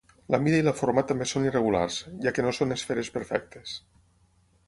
La mida i la forma també són irregulars, ja que no són esferes perfectes.